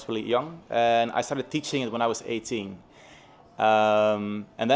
tôi cảm thấy rất chào mừng ở đây